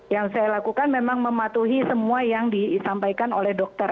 yang saya lakukan memang mematuhi semua yang disampaikan oleh dokter